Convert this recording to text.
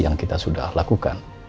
yang kita sudah lakukan